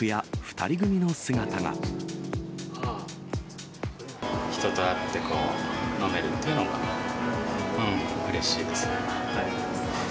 人と会って飲めるっていうのは、うれしいですね。